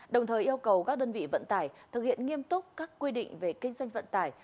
đồng thời yêu cầu các đơn vị vận tải thực hiện nghiêm túc các quy định về kinh doanh vận tải